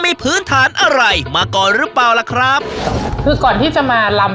มีพื้นฐานอะไรมาก่อนหรือเปล่าล่ะครับคือก่อนที่จะมาลำ